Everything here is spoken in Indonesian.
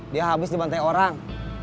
dia habis dibantai orang